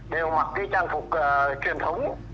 đều mặc trang phục truyền thống